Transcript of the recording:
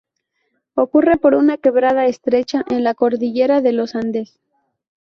Escurre por una quebrada estrecha en la cordillera de los Andes.